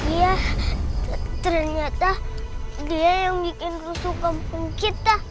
ya ternyata dia yang bikin rusuh kampung kita